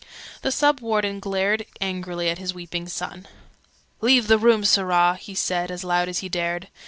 The Sub Warden glared angrily at his weeping son. "Leave the room, Sirrah!" he said, as loud as he dared.